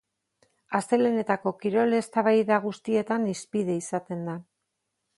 Astelehenetako kirol-eztabaida guztietan hizpide izaten da.